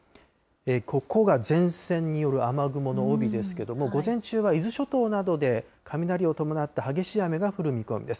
ここが前線による雨雲の帯ですけども、午前中は伊豆諸島などで雷を伴って激しい雨が降る見込みです。